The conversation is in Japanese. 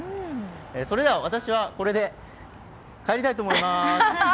それでは私はこれで帰りたいと思います。